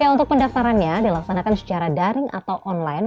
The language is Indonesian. untuk pendaftarannya dilaksanakan secara daring atau online